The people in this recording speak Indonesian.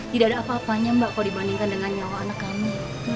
tidak ada apa apanya mbak kalau dibandingkan dengan nyawa anak kami